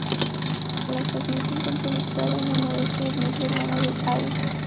La estación se encuentra ubicada en el noreste del núcleo urbano de Au.